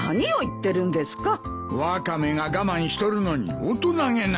ワカメが我慢しとるのに大人げない。